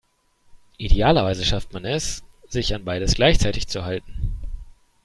Idealerweise schafft man es, sich an beides gleichzeitig zu halten.